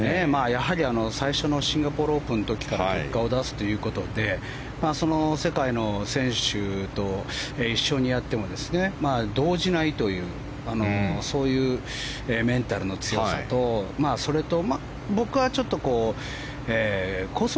やはり最初のシンガポールオープンの時から結果を出すということで世界の選手と一緒にやっても動じないというそういうメンタルの強さとそれと、僕はちょっとコース